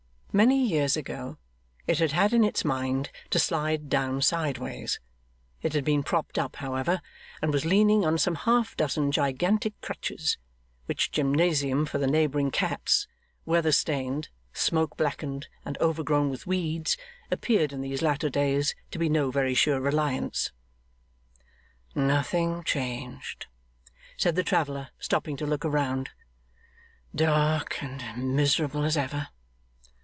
Many years ago, it had had it in its mind to slide down sideways; it had been propped up, however, and was leaning on some half dozen gigantic crutches: which gymnasium for the neighbouring cats, weather stained, smoke blackened, and overgrown with weeds, appeared in these latter days to be no very sure reliance. 'Nothing changed,' said the traveller, stopping to look round. 'Dark and miserable as ever.